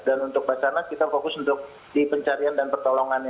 dan untuk basanas kita fokus untuk di pencarian dan pertolongannya